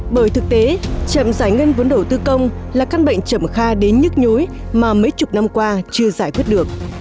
bởi thực tế chậm giải ngân vốn đầu tư công là căn bệnh chậm kha đến nhức nhối mà mấy chục năm qua chưa giải quyết được